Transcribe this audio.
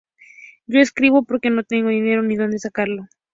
Yo escribo porque no tengo dinero ni donde sacarlo".